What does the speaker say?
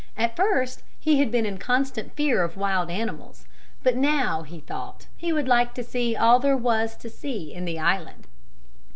At first he had been in constant fear of wild animals, but now he thought he would like to see all there was to see in the island.